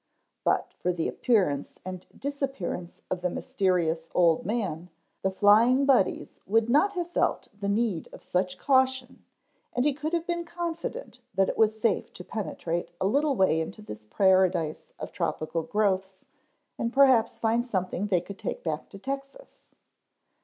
But for the appearance and disappearance of the mysterious old man the Flying Buddies would not have felt the need of such caution and he could have been confident that it was safe to penetrate a little way into this paradise of tropical growths and perhaps find something they could take back to Texas.